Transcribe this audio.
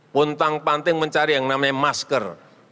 pun tang panting mencari yang namanya masker